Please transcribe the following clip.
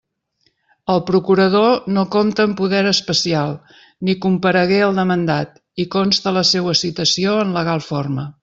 El procurador no compta amb poder especial, ni comparegué el demandat, i consta la seua citació en legal forma.